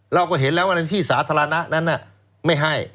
เราก็เห็นแล้วว่าในที่สาธารณะนั้นไม่ให้